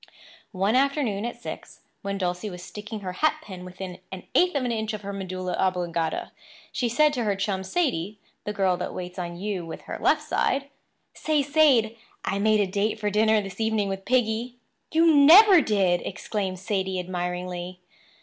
One afternoon at six, when Dulcie was sticking her hat pin within an eighth of an inch of her medulla oblongata, she said to her chum, Sadie—the girl that waits on you with her left side: "Say, Sade, I made a date for dinner this evening with Piggy." "You never did!" exclaimed Sadie admiringly.